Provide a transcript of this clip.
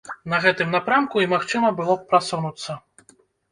На гэтым напрамку і магчыма было б прасунуцца.